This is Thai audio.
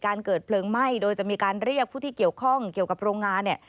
เกิดเพลิงไหม้โดยจะมีการเรียกผู้ที่เกี่ยวข้องเกี่ยวกับโรงงานเนี่ย